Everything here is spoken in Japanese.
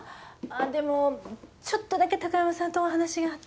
でもちょっとだけ高山さんとお話があって。